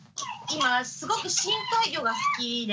今すごく深海魚が好きで。